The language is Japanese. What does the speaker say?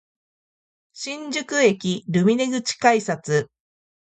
新宿駅ルミネ口改札